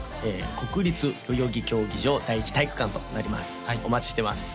国立代々木競技場第一体育館となりますお待ちしてます